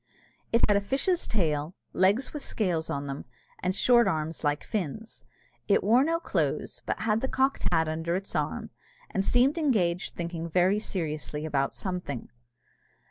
It had a fish's tail, legs with scales on them, and short arms like fins. It wore no clothes, but had the cocked hat under its arm, and seemed engaged thinking very seriously about something.